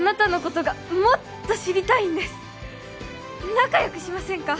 仲よくしませんか？